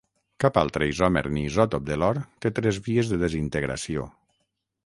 Cap altre isòmer ni isòtop de l'or té tres vies de desintegració.